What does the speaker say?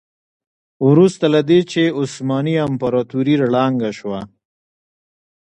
وروسته له دې چې عثماني امپراتوري ړنګه شوه.